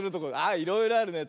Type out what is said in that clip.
あいろいろあるね。